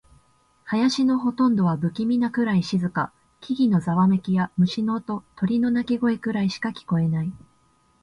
林のほとんどは不気味なくらい静か。木々のざわめきや、虫の音、鳥の鳴き声くらいしか聞こえない。